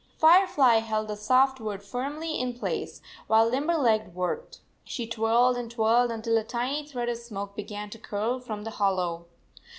Firefly held the soft wood firmly in place 80 while Limberleg worked. She twirled and twirled until a tiny thread of smoke began to curl from the hollow.